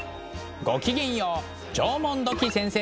ごきげんよう縄文土器先生です。